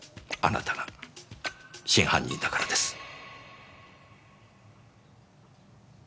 あなたが真犯人だからです。